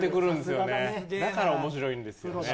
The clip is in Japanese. だから面白いんですよね。